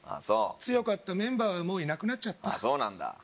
そう強かったメンバーはもういなくなっちゃったああそうなんだ